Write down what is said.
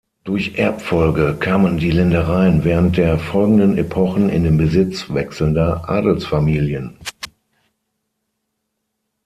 Durch Erbfolge kamen die Ländereien während der folgenden Epochen in den Besitz wechselnder Adelsfamilien.